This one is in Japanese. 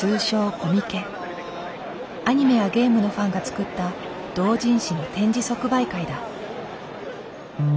アニメやゲームのファンが作った同人誌の展示即売会だ。